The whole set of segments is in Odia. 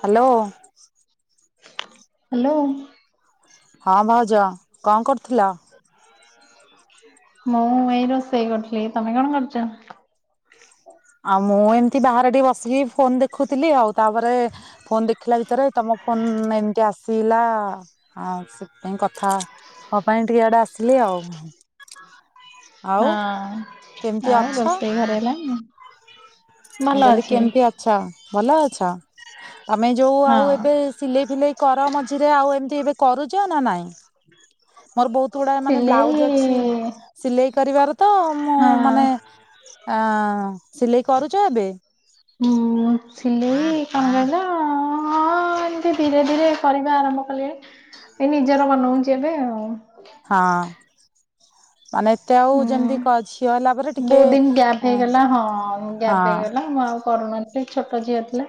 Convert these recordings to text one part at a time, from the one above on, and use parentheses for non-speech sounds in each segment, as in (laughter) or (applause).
ହାଲୋ। ହାଲୋ। ହଁ, ଭାଉଜ କଣ କରୁଥିଲ? ମୁଁ ଏଇ ରୋଷେଇ କରୁଥିଲି ତମେ କଣ କରୁଛ? ଆଉ ମୁଁ ଏମତି ବାହାରେ ଟିକେ ବସିକି ଫୋନ୍ ଦେଖୁଥିଲି ଆଉ ତାପରେ ଫୋନ ଦେଖିଲା ଭିତରେ ତମ ଫୋନ ଏମିତି ଆସିଲା ଆଉ ସେଥିପାଇଁ କଥା ହଁ ପା ଏମତି ଟିକେ ଆଡେ ଆସିଲି ଆଉ। ଆଉ ହଁ, କେମିତି ଆଉ ଅଛ? ରୋଷେଇ ଘରେ ହେଲାଣି? ଭଲ ମୁଁ କହିଲି ଅଛି କେମିତି ଅଛ ଭଲ ଅଛ ତମେ ଯୋଉ ହଁ ଆଉ ଏବେ ସିଲେଇ ଫିଲେଇ କର ମଝିରେ ଆଉ ଏମିତି ଏବେ କରୁଛ ନା ନାଇଁ? (inaudible) ମୋର ବହୁତ ଗୁଡା ମାନେ ସିଲେଇ ବ୍ଲାଉଜ ଅଛି ସିଲେଇ କରିବାର ତ ମୁଁ ହଁ ମାନେ ଆ ସିଲେଇ କରୁଛ ଏବେ? ହୁଁ, ମୁଁ ସିଲେଇ କଣ କହିଲ ହଁ। ହଁ ଏମିତି ଧୀରେ ଧୀରେ କରିବା ଆରମ୍ଭ କଲିଣୀ ଏ ନିଜର ବନଉଛି ଏବେ ଆଉ। ହଁ ମାନେ ଏତେ ଆଉ ହୁଁ ଯେମିତି ଝିଅ ହେଲା ପରେ ଟି ବହୁତ ଦିନ ଗ୍ୟାପ୍ ହେଇଗଲା ହଁ ଗ୍ୟାପ୍ ହେଇଗଲା ମୁଁ ଆଉ କରୁନାଥିଲି ଛୋଟ ଝିଅ ଥିଲା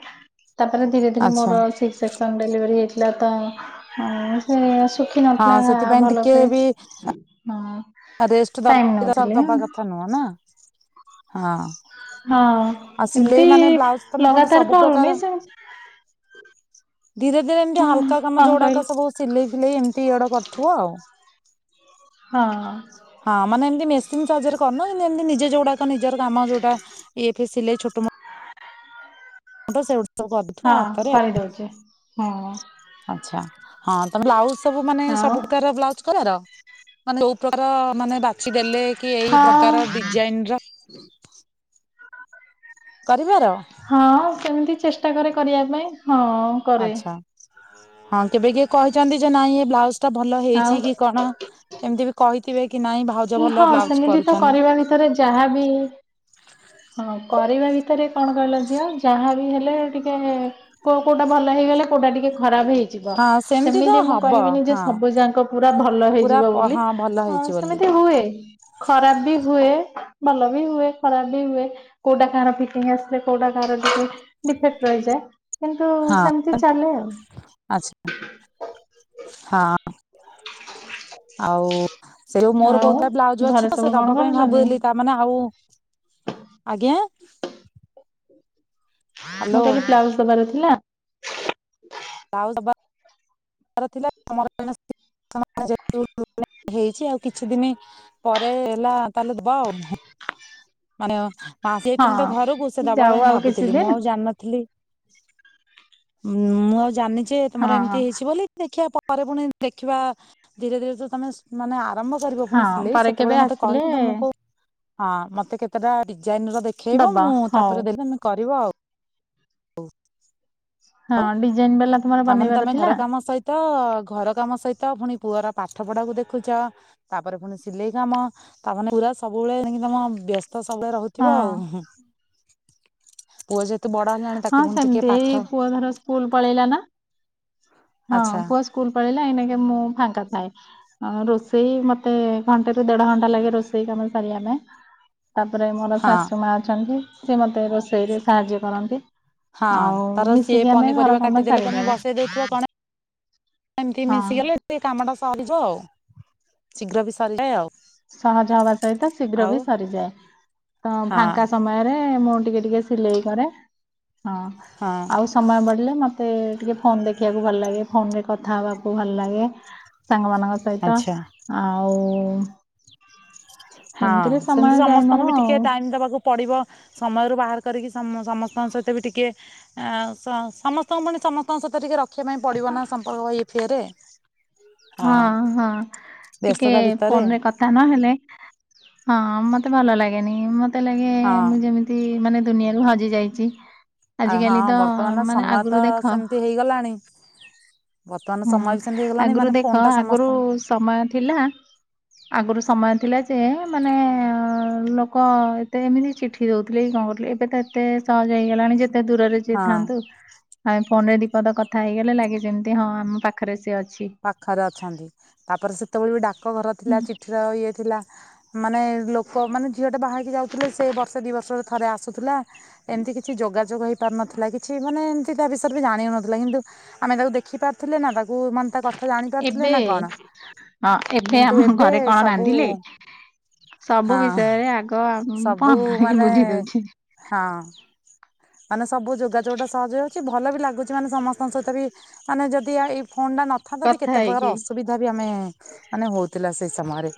ତାପରେ ଧୀରେ ଧୀରେ ଆଚ୍ଛା ମୋର ସିକ୍ସ ସେକ୍ସନ୍ ଡେଲିଭରି ହେଇଥିଲା ତ ମୁଁ ସେ ଶୁଖି ହଁ ନଥିଲା ସେଥିପାଇଁ ଟିକେ ଭଲସେ ବି ହଁ। ରେଷ୍ଟ ଟାଇମ ଦରକାର ନଉଥିଲି ଦବା କଥା ନୁହଁ ନା ହଁ (unintelligible) ହଁ। ଆଉ ଏମିତି ସିଲେଇ ମାନେ ବ୍ଲାଉଜ ତମେ କଣ ଲଗାତାର ସବୁ କରୁନି ପ୍ରକାର ସେ ଧୀରେ ଧୀରେ ଏମିତି ହୁଁ ହାଲକା କାମ କଣ ଯୋଉ କହିଲି ଗୁଡାକ ସବୁ ସିଲେଇ ଫିଲେଇ ଏମିତି ଇଆଡ କରଥିବ ଆଉ। ହଁ। ହଁ ମାନେ ଏମିତି ମେସିନ ସାହାଯ୍ୟରେ କରୁନ କିନ୍ତୁ ଏମତି ନିଜେ ଯୋଉ ଗୁଡାକ ନିଜର କାମ ଯୋଉଟା ଇଏ ସିଲେଇ ଛୋ ହଁ ପା ସେଗୁଡା ସବୁ କରୁଥିବ ହଁ ଆ ପରେ କରିଦଉଛି ହଁ ଆଚ୍ଛା ହଁ ତମେ ବ୍ଲାଉଜ ସବୁ ମାନେ ଆଉ ସବୁ ପ୍ରକାରର ବ୍ଲାଉଜ ମାନେ ଯୋଉ ପ୍ରକାର ମାନେ ବାଛି ଦେଲେ କି ଏଇ ହଁ ପ୍ରକାର ଡିଜାଇନ ର। କରିପାର। ହଁ ସେମିତି ଚେଷ୍ଟା କରେ କରିବା ପାଇଁ ହଁ। କରେ ଆଚ୍ଛା ହଁ କେବେ କିଏ କହିଛନ୍ତି ଯେ ନାଇଁ ଏ ବ୍ଲାଉଜ ଟା ଭଲ ଆଉ ହେଇଛି କି କଣ ଏମିତି ବି କହିଥିବେ କି ନାଇଁ ଭାଉ ହଁ ସେମିତି ତ କରିବା ଭିତରେ ଯାହାବି ହଁ କରିବେନି ତ ଟିକେ କଣ କହିଲ ଝିଅ ଯାହାବି ହେଲେ ଟିକେ କୋ କୋଉଟା ଭଲ ହେଇଗଲା କୋଉଟା ଟିକେ ଖରାପ ହେଇ ହୋଇଯିବ ହଁ ତ ସେମିତି ମୁଁ ହବ କହିବିନି ଯେ ହଁ ସବୁ ଯାକ ପୁରା ଭଲ ପୁରା ହେଇଯିବ ବୋଲି ହଁ ଭଲ ହିଁ ହେଇଛି ବୋଲି ସେମିତି ହୁଏ ଖରାପ ବି ହୁଏ ଭଲ ବି ହୁଏ ଖରାପ ବି ହୁଏ। କୋଉଟା କାହାର ଫିଟିଙ୍ଗ ଆସିଲେ କୋଉଟା କାହାର ଡିଫେକ୍ଟ ରହିଯାଏ। କିନ୍ତୁ ହଁ ସେମିତି ଚାଲେ ଆଉ। ଆଚ୍ଛା ହଁ। ଆଉ ସେ ଯୋଉ ମୋର ଆଉ ବହୁତ୍ ବ୍ଲାଉଜ ଘରେ ଅଛି ତ ସବୁ ସେ କଣ ଦବା ପାଇଁ କରୁଛନ୍ତି? ଭାବୁଦଲି ତ। ମାନେ ଆଉ ଆଜ୍ଞା। ମୁଁ ହ୍ୟାଲୋ କାଲି ବ୍ଲାଉଜ ଦବାର ଥିଲା। ବ୍ଲାଉଜ ଦରବାର। ଦବାର ଥିଲା ସି ସ୍କେସନ ହେଇଛି ଆଉ କିଛି ଦିନ। ପରେ ହେଲା ତାହେଲେ ଦବା ଆଉଁ। ମାନେ ମାସ ଯାଇଥିଲ ତ ଘରକୁ ସେ ହଁ ଦବା ଯାଉ ପାଇଁ ଆଉ କିଛି ଭାବୁଥିଲି ମୁଁ ଦିନ ଆଉ ଜାଣିନଥିଲି। ମୁଁ ଆଉ ଜାଣିଛି ତମର ହଁ ଏମିତି ହେଇଛି। ଦେଖିବା ପରେ ପୁଣି ଦେଖିବା ଧୀରେ ଧୀରେ ତ ତମେ ମାନେ। ଆରମ୍ଭ କରିବ ହଁ ପୁଣି ସିଲେଇ ପରେ ସେତେବେଳେ କେବେ ମତେ ଆସିଲେ କହିବୁ ତମକୁ। ହଁ ମତେ କେତେଟା ଡିଜାଇନ ର ଦେଖେଇବ ଦବ ମୁଁ ହଉ। ତାପରେ ଦେଲି ଆମେ କରିବ ଆଉ। ହ ହଁ ହଉ ଡିଜାଇନ ବାଲା ତମର ତାମାନେ ବନେଇବାର ତମେ ଥିଲା ଘର କାମ ସହି ତ ଘର କାମ ସହିତ ପୁଣି ପୁଅର ପାଠ ପଢାକୁ ଦେଖୁଛ। ତାପରେ ପୁଣି ସିଲେଇ କାମ ଆମ ତା ପୁରା ସବୁବେଳେ କି ତମ ବ୍ୟସ୍ତ। ତ ସବୁବେଳେ ରହୁଥିବ ହଁ ଆଉ ପୁଅ ଯେତେ ବଡ ହେ ହଁ ସେମିତି ଏଇ ପୁଅ ଧର ସ୍କୁଲ ପଳେଇଲା ନା ହଁ ଆଚ୍ଛା ପୁଅ। ସ୍କୁଲ ପଲେଇଲା ଏଇନାକେ ମୁଁ ଫାଙ୍କା ଥାଏ। ଆଉ ରୋଷେଇ ମତେ ଘଣ୍ଟେ ରୁ ଦେଢ ଘଣ୍ଟା ଲାଗେ ରୋଷେଇ କାମ ସାରିବା ପାଇଁ। ତା ପରେ ମୋର ହଁ। ଶାଶୁ ମା ଅଛନ୍ତି ସେ ମୋତେ ରୋଷେଇରେ ସାହାଯ୍ୟ କରନ୍ତି। ହଁ ଆଉ ତାର ସିଏ ମିଶିକି ଆମେ ଘର ପନିପରିବା କାମ କାଟିଦେଲେ ତମେ ସାରିଦଉ ବସେଇ ଦଉଥିବ କଣ। ଏମିତି ହଁ। ମିଶିଗଲେ। ଏ କାମ ଟା ସରିଯାଏ ଆଉ ଶୀଘ୍ର ବି ସରିଯାଏ ଆଉ। ସହଜ ହବା ସହିତ ଶୀଘ୍ର ଆଉ ବି ସରିଯାଏ ତ ହଁ ଫାଙ୍କା ସମୟରେ ମୁଁ ଟିକେ ଟିକେ। ସିଲେଇ କରେ ହଁ ହଁ ଆଉ। ସମୟ ବଲିଲେ ମୋତେ ଟିକେ ଫୋନ ଦେଖିବାକୁ ଭଲ ଲାଗେ ଫୋନରେ କଥା ହେବାକୁ ଭଲ ଲାଗେ। ସାଙ୍ଗମାନଙ୍କ ସହିତ ଆଚ୍ଛା ଆଉ ହଁ ଏମିତିରେ ସେମିତି ସମୟ ଯାଏ ମୋର ସମସ୍ତଙ୍କୁ ବି ଆଉ। ଟିକେ ଟାଇମ ଦବାକୁ ପଡିବ ସମୟରୁ ବାହାର କରିକି ସମ ସମସ୍ତଙ୍କ ସହିତ ବି ଟିକେ ଆ ସ ସମସ୍ତଙ୍କ ପୁ ସମସ୍ତଙ୍କ ସହିତ ଟିକେ ରଖିବା ପାଇଁ ପଡିବ ନା ସମ୍ପର୍କଇ ଫିଏ ରେ ହଁ ହଁ ଟିକେ ବ୍ୟସ୍ତତା ଭିତରେ ଫୋନ ରେ କଥା ନହେଲେ ହଁ ମତେ ଭଲ ଲାଗେନି ମତେ ଲାଗେ ହଁ ମୁଁ ଯେମିତି ମାନେ ଦୁନିଆରୁ ହଜି ଯାଇଛି ଆ ହଁ ଆଜିକାଲି ତ ବର୍ତ୍ତମାନ ମାନେ ସମୟ ତ ଆଗରୁ ଦେଖ ସେମିତି ହେଇଗଲାଣି ବର୍ତ୍ତମାନ ହୁଁ ସମୟ ବି ସେମିତି ହେଇଗଲାଣି ଆଗରୁ ମାନେ ଫୋନ ଦେଖ ଟା ଆଗରୁ ସମସ୍ତଙ୍କ ସମୟ ଥିଲା ଆଗରୁ ସମୟ ଥିଲା ଯେ ମାନେ ଲୋକ ଏତେ ଏମିତି ଚିଠି ସିଖି ଦେଉଥିଲେ କି କଣ କରୁଥିଲେ ଏବେ ତ ଏତେ ସହଜ ହେଇଗଲାଣି ଯେତେ ଦୂରରେ ଯିଏ ହଁ ଥାନ୍ତୁ ଆମ ଫୋନ ରେ ଦୀପଦ କଥା ହେଇଗଲେ ଲାଗେ ଯେମିତି ହଁ ଆମ ପାଖରେ ସିଏ ଅଛି ପାଖରେ ଅଛନ୍ତି ତାପରେ ସେତେବେଳେ ବି ଡାକଘର ଥିଲା ଚିଠିର ଇଏ ଥିଲା ମାନେ ଲୋକ ମାନେ ଝିଅ ଟା ବାହାରିକି ଯାଉଥିଲେ ସେ ବର୍ଷେ ଦି ବର୍ଷରେ ଥରେ ଆସୁଥିଲା ଏମିତି କିଛି ଯୋଗାଯୋଗ ହେଇ ପାରୁନଥିଲା କିଛି ମାନେ ତା ବିଷୟରେ ବି ଜାଣି ହୋଉ ନଥିଲା କିନ୍ତୁ ଆମେ ତାକୁ ଦେଖି ପାରୁଥିଲେ ନା ତାକୁ ମାନେ ତା ତ ଜାଣି ପାରୁଥିଲେ ଏବେ ନା କଣ ହଁ ଏବେ କିନ୍ତୁ ଆମ ଏବେ ଘରେ କଣ ସବୁ ରାନ୍ଧିଲେ ସବୁ ହଁ ବିଷୟରେ ଆଗ କଣ ସବୁ କରିକି ମାନେ ବୁଝି ଦଉଛି ହଁ ମାନେ ସବୁ ଯୋଗାଯୋଗଟା ସହଜ ଅଛି ଭଲ ବି ଲାଗୁଛି ମାନେ ସମସ୍ତଙ୍କ ସହିତ ବି ମାନେ ଯଦି ଫୋନ୍ଟା ନଥାନ୍ତା ବି କଥା କେତେ ପ୍ରକାର ହେଇକି। ଅସୁବିଧା ବି ଆମେ ମାନେ ହଉଥିଲା ସେଇ ସମୟରେ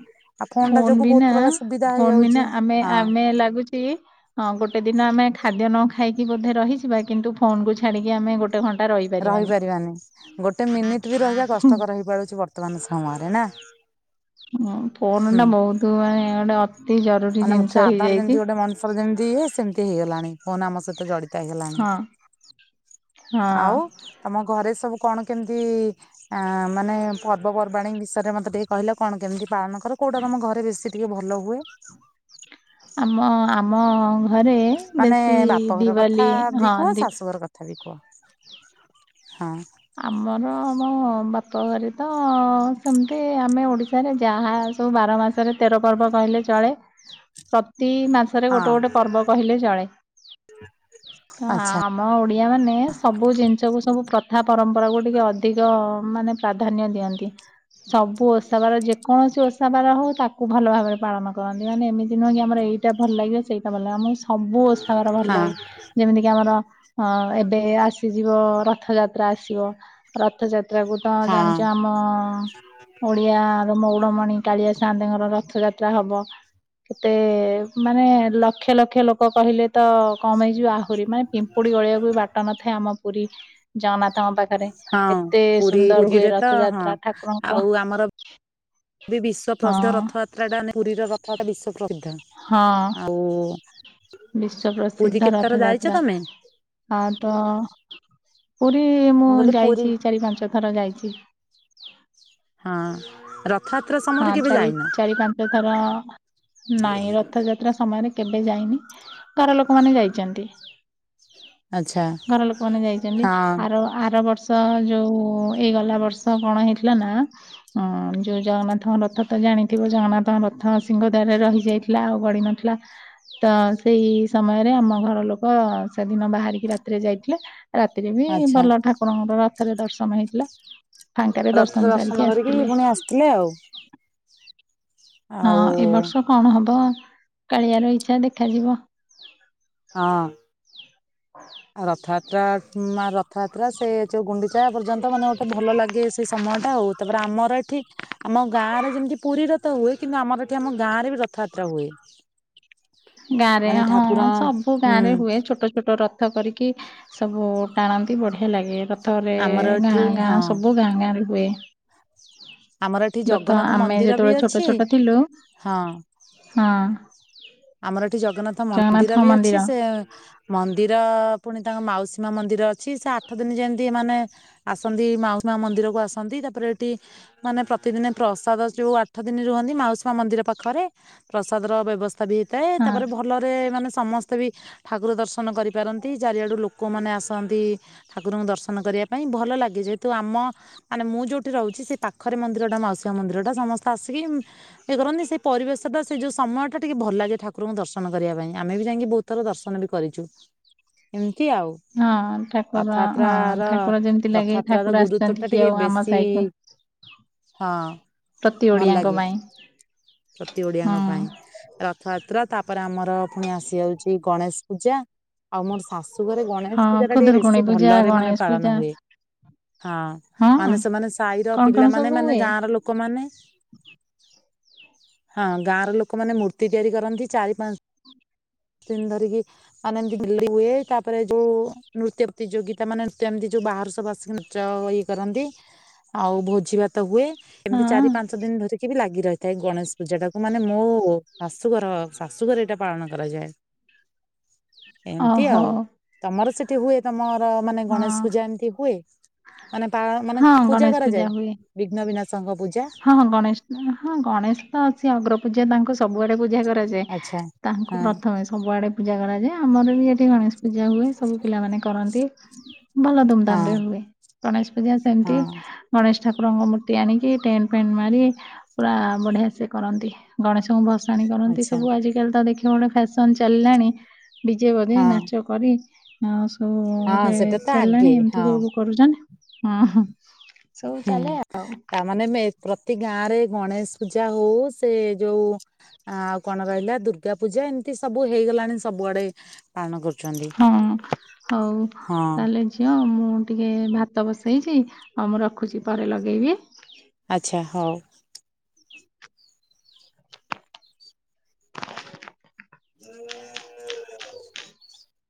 ଆଉ ଫୋନ୍ ଟା ଫୋନ ଯୋଗୁ ବିନା ବହୁତ ପ୍ରକାର ସୁବିଧା ଫୋନ ବିନା ହେଇଯାଉଛି ଆମେ ହଁ। ଆମେ ଲାଗୁଛି ଗୋଟେ ଦିନ ଆମେ ଖାଦ୍ୟ ନ ଖାଇକି ବୋଧେ ରହିିବା କିନ୍ତୁ ଫୋନ କୁ ଛାଡିକି ଆମେ ଗୋଟେ ଗୋଟେ ଘଣ୍ଟା ରହି ରହିପାରିବାନି ଗୋଟେ ମିନିଟ ବି ରହିବା କଷ୍ଟକର ରହିପାରୁଛି ବର୍ତ୍ତମାନ ସମୟରେ ନା? ହ ହୁଁ। ଫୋନଟା ବହୁତ ମାନେ ଗୋଟେ ଅତି ଜରୁରୀ ଜିନିଷ ହେଇଯାଇଛି। ସବୁ ଯେମିତି ଇଏ ସେମିତି ହେଇଗଲାଣି କୋହ ଆମ ସହିତ ଜଡିତ ଲାଣି ହଁ ହଁ ଆଉ ତମ ଘରେ ସବୁ କଣ କେମିତି? ଆ ମାନେ ପର୍ବପର୍ବାଣୀ ବିଷୟରେ ମତେ ଟିକେ କହିଲେ କଣ କେମିତି ପାଳନ କରରେ କୋଉଟା ତମ ଘରେ ବେଶୀ? ଟିକେ ଭଲ ହୁଏ। ଆମ ଆମ ଘରେ ମାନେ ବେଶୀ ବାପଘର କଥା ଦିିବାଲି ବି ହଁ କୁହ ଦି ଶାଶୁଘର କଥା ବି କୁହ ହଁ। ଆମର ଆମ ବାପଘର ତ ସେମିତି ଆମେ ଓଡ଼ିଶାରେ ଯାହା ସବୁ ବାରମାସ ତେର ପର୍ବ କହିଲେ ଚଳେ ପ୍ରତି ମାସ ଗୋଟେ ହଁ ଗୋଟେ ପର୍ବ କହିଲେ ଚଳେ ଆଁ ଆଚ୍ଛା ଆମ ଓଡିଆ ମାନେ ସବୁ ଜିନିଷକୁ ସବୁ ପ୍ର ଯ ପରମ୍ପରାକୁ ଟିକେ ଅଧିକ ମାନେ ପ୍ରାଧାନ୍ୟ ଦିଅନ୍ତି। ସବୁ ଓସାବାର ଯେକୌଣସି ଓସା ସବାର ହେଉ ତାକୁ ଭଲ ଭାବରେ ପାଳନ କରନ୍ତି ମାନେ ଏମିତି ନୁହେଁ କି ଆମର ଏଇଟା ଭଲ ଲାଗିବ ସେଇଟା ଭଲ ଲାଗେ ମୁଁ ସବୁ ଓସାଗର ଭଲ ହଁ ଲାଗେ ଯେମିତି କିି ଆମର ଅ ଏବେ ଆସିଯିବ ରଥଯା ତ୍ରା ଆସିବ ରଥଯାତ୍ରା କ ତ ହଁ ଜାଣିଛ ଆମ? ଓଡିଆ ର ମଉଡମଣି କାଳିଆ ସାନ୍ତେଙ୍କର ରଥଯାତ୍ରା ହବ। କେତେ ମାନେ ଲକ୍ଷ ଲକ୍ଷ ଲୋକ କହିଲେ ତ କମ ହେଇଯିବ ଆହୁରି ମାନେ ପିମ୍ପୁଡି ଗଳେଇଆକୁ ବି ବାଟ ନଥାଏ ଆମ ପୁରୀ ଜଗନାଥଙ୍କ ପାଖରେ ହଁ ଏତେ ପୁରୀରେ ସୁନ୍ଦର ହୁଏ ଯିବେ ତ ହଁ ରଥଯାତ୍ରା ଠାକୁରଙ୍କର ଆଉ ଆମର ଏବେ ବିଶ୍ୱ ପ୍ରସିଦ୍ଧ ହଁ ରଥଯାତ୍ରାଟା ମାନେ ପୁରୀର ରଥଯାତ୍ରା ବିଶ୍ୱ ପ୍ରସିଦ୍ଧ। ହଁ। ଆଉ ପୁରୀ ବିଶ୍ୱପ୍ରସିଦ୍ଧ କେତେଥର ଯାଇଛ ରଥଯାତ୍ରା। ତମେ? ଆଉ ତ ପୁରୀ ମୁଁ କହିଲି ପୁରୀ ଯାଇଛି। ଚାରି ପାଞ୍ଚ ଥର ଯାଇଚି। ହଁ ରଥଯାତ୍ରା ହଁ ସମୟରେ କେବେ ଚାରି ଯାଇନ? ଚାରି ପାଞ୍ଚ ଥର ନାଇଁ ରଥଯାତ୍ରା ସମୟରେ କେବେ ଯାଇନି ଘର ଲୋକମାନେ ଯାଇଛନ୍ତି। ଆଚ୍ଛା ଘରଲୋକମାନେ ଯାଇଛନ୍ତି ହଁ ଆର- ଆର ବର୍ଷ ଯୋଉ ଏଇ ଗଲା ବର୍ଷ କଣ ହେଇଥିଲା ନା। ହଁ ଯୋଉ ଜଗନ୍ନାଥଙ୍କ ରଥ ତ ଜାଣିଥିବ ଜଗନ୍ନାଥଙ୍କ ରଥ ସିଂହ ଦ୍ଵାରରେ ରହିଯାଇ- ଥିଲା ଆଉ ଗଡି ନଥିଲା ତ- ସେଇ ସମୟରେ ଆମ ଘର ଲୋକ ସେଦିନ ବାହାରିକି ରାତିରେ ଯାଇଥିଲେ। ରାତିରେ ବି ଆଚ୍ଛା ଭଲ ଠାକୁରଙ୍କର ରଥରେ ଦର୍ଶନ ହେଇଥିଲା। ଫାଙ୍କାରେ ଦର୍ଶନ ସାରିକି ଆସିଥିଲେ। ଥିଲେ ଆଉ ହଁ ଆଉ ଏ ବର୍ଷ କଣ ହବ କାଳିଆର ଇଚ୍ଛା ଦେଖାଯିବ। ହଁ। ହଁ। ଆଉ ରଥଯାତ୍ରା ରଥଯାତ୍ରା ସେ ଯୋଉ ଗୁଣ୍ଡିଚା ପର୍ଯ୍ୟନ୍ତ ମାନେ ଗୋଟେ ଭଲ ଲାଗେ ସେ ସମୟଟା ଆଉ। ତାପରେ ଆମର ଏଠି ଆମ ଗାଁ ରେ ଯେମିତି ପୁରୀ ରଥ ହୁଏ କିନ୍ତୁ ଆମର ଏଠି ଆମ ଗାଁରେ ବି ରଥ ଗାଁରେ ମାନେ ହଁ ଠାକୁର ସବୁ ଗାଁ ହୁଁ ରେ ହୁଏ ଛୋଟ ଛୋଟ ରଥ ରଥ କରିକି ସବୁ ଟାଣନ୍ତି। ଏଇ ବଢିଆ ଲାଗେ ରଥରେ ଆମର ଗାଁ ଏଠି ହଁ ଗାଁ ସବୁ ଗାଁ ଗାଁ ରେ ହୁଏ। ଆମର ଏଠି ରଥ ଜଗନ୍ନାଥ ଆମେ ମନ୍ଦିର ବି ଯେତେବେଳେ ଛୋଟ ଅଛି ଛୋଟ ଥିଲୁ ହଁ। ହଁ। ଆମର ଏଠି ଜଗନ୍ନାଥ ମନ୍ଦିର ଜଗନ୍ନାଥଙ୍କ ବି ଅଛି ମନ୍ଦିର ସେ ମନ୍ଦିର ପୁଣି ତାଙ୍କ ମାଉସୀ ମା ମନ୍ଦିର ଅଛି ସେ ଆଠ ଦିନ ଯେମତି ମାନେ- ଆସନ୍ତି ମାଉସୀ ମା ମନ୍ଦିର କୁ ଆସନ୍ତି ତାପରେ ଏଠି- ମାନେ ପ୍ରତିଦିନ ପ୍ରସାଦ ଯେଉ ଆଠ ଦିନି ରୁହନ୍ତି ମାଉସୀ ମା ମନ୍ଦିର ପାଖରେ ପ୍ରସାଦର ବ୍ୟବସ୍ଥ ତାବି ହେଇଥାଏ ହଁ ତାପରେ ଭଲରେ ମାନେ ସମସ୍ତେ ବି ଠାକୁର ଦର୍ଶନ କରି ପାରନ୍ତି ଚାରିଆଡ଼ୁ ଲୋକମାନେ ଆସନ୍ତି ଠାକୁରଙ୍କୁ ଦର୍ଶନ କରିବା ପାଇଁ ଭଲ ଲାଗେ ଯେହେତୁ ଆମ ମାନେ ମୁଁ ଯୋଉଠି ରହୁଛି ସେ ପାଖରେ ମନ୍ଦିରଟା ମାଉସୀ ମାଆ ମନ୍ଦିର ଟା ସମସ୍ତେ ଆସିକି- ଇଏ କରନ୍ତି ସେଇ ପରିବେଶ ଟା ସେ ଯୋଉ ସମୟଟା- ଟିକେ ଭଲ ଲାଗେ ଠାକୁରଙ୍କୁ ଦର୍ଶନ କରିବା ପାଇଁ ଆମେ ବି ଯାଇଁକି ବହୁତ ଥର ଦର୍ଶନ ବି କରିଚୁ। ଏମିତି ଆଉ। ହଁ ଠାକୁର ରଥଯାତ୍ର ହଁ ର ଠାକୁର ଯେମିତି ଲାଗେ ରଥଯାତ୍ରା ର ଠାକୁର ଗୁରୁତ୍ବ ଆସିଛନ୍ତି ଟା କି ଟିକେ ଆଉ ଆମ ସାଇକୁ ବେଶୀ- ହଁ ପ୍ରତି ଭଲ ଓଡିଆଙ୍କ ଲାଗେ ପାଇଁ ପ୍ରତି ହୁଁ ଓଡିଆଙ୍କ ପାଇଁ- ରଥଯାତ୍ରା ତାପରେ ଆମର ପୁଣି ଆସି ଯାଉଚି ଗଣେଶ ପୂଜା ଆଉ ମୋର ଶାଶୁ ଘରେ ଗଣ ହଁ ଗଣେଶ ପୂଜା ଟା ଟିକେ ଖୁଦୁରୁକୁଣୀ ବେଶୀ ପୂଜା ଭଲରେ ମାନେ ଗଣେଶ ପାଳନ ପୂଜା ହୁଏ। ହଁ ହଁ ମାନେ ସେମାନେ ସାହିର କଣ କଣ ପିଲାମାନେ ସବୁ ମାନେ ହୁଏ ଗାଁର ଲୋକ- ଲୋକମାନେ ହଁ ଗାଁର ଲୋକମାନେ ମୂର୍ତ୍ତି ମୂର୍ତ୍ତି ତିଆରି କରନ୍ତି ଚାରି ପାଞ୍ଚ ଦିନ ଧରିକି- ଆନନ୍ଦୀ ଦିଲ୍ଲୀ ହୁଏ ତାପରେ ଯୋଉ- ନୃତ୍ୟ ପ୍ରତିଯୋଗିତା ମାନେ ନୃତ୍ୟ ଏମିତି ଯୋଉ ବାହାରୁ ସବୁ ଆସିକି ନୃତ୍ଯ ଇଏ କରନ୍ତି। ଆଉ ଭୋଜି ଭାତ ହୁଏ। ଏମିତି ହଁ ଚାରି ପାଞ୍ଚ ଦିନି ଧରିକି ବି ଲାଗି ରହିଥାଏ ଗଣେଶ ପୂଜା ଟାକୁ ମାନେ ମୋ- ଶାଶୁଘର ଶାଶୁଘର ଏଇଟା ପାଳନ କରାଯାଏ ଏମିତି ଓହୋ ଆଉ। ତମର ସେଠି ହୁଏ ତମର ମାନେ ହଁ ଗଣେଶ ପୂଜା ଏମିତି ହୁଏ। ମାନେ ପାଳ ମାନେ ହଁ ପୂଜା ଗଣେଶ କରାଯାଏ ହୁଏ ବିଘ୍ନବିନାଶଙ୍କ ପୂଜା। ହଁ ହଁ ଗଣେଶ ହଁ ଗଣେଶ ତ ଅଛି ଅଗ୍ରପୂଜା ତାଙ୍କୁ ସବୁଆଡ଼େ ପୂଜା କରାଯାଉ- ଯେ ଆଚ୍ଛା ତାଙ୍କୁ ହଁ ପ୍ରଥମେ ସବୁଆଡେ ପୂଜା କରାଯାଏ ଆମର ବି ଏଠି ଗଣେଶ ପୂଜା ହୁଏ ସବୁ ପିଲା ମାନେ କରନ୍ତି। ଭଲ ହଁ ଧୁମଧାମ ରେ ହୁଏ ଗଣେଶ ପୂଜା ସେମିତି। ହଁ ଗଣେଶ ଠାକୁରଙ୍କ ମୂର୍ତ୍ତି ଆଣିକି ଟେଣ୍ଡ ପେଣ୍ଡ ମାରି ପୁରା ବଢିଆ ସେ କରନ୍ତି ଗଣେଶଙ୍କୁ ଭସାଣି କରନ୍ତି ଆଚ୍ଛା। ସବୁ ଆଜି ଖାଲି ତ ଦେଖିବ ଗୋଟେ ଫ୍ୟାସନ ଚାଲିଲାଣି ଡିଜେ ବଜେଇ ହଁ ନାଚ କରି ହଁ ସବୁ ହଁ ଗୋଟେ ସେଟା ତ ଚାଲାଣି ଆଗେ ଏମିତି ହଁ ସବୁ କରୁଛନ ହ ହ ସବୁ ହୁଁ। ଚାଲେ ଆଉ। ତା ମାନେ ମେତ ପ୍ରତି ଗାଁ ରେ ଗଣେଶ ପୂଜା ହଉ ସେ ଯୋଉ ଆଉ କଣ କହିଲ ଦୁର୍ଗା ପୂଜା ଏମିତି ସବୁ ହେଇଗଲାଣି ସବୁଆଡେ ପାଳନ କରୁ ହଁ ହଉ ହେଲେଯେ ଝିଅ ମୁଁ ଟିକେ ଭାତ ବସେଇଛି ଆଉ ମୁଁ ରଖୁଛି ପରେ ଲଗେଇବି। ଆଚ୍ଛା ହଉ। ଜ (unintelligible)